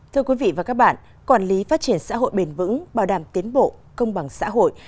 thưa quý vị và các bạn quản lý phát triển xã hội bền vững bảo đảm tiến bộ công bằng xã hội